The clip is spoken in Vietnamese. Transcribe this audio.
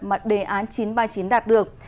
mà đề án chín trăm ba mươi chín đạt được